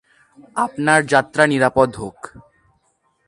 আপনার যাত্রা নিরাপদ হোক।